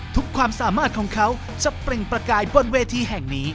ความสามารถของเขาจะเปล่งประกายบนเวทีแห่งนี้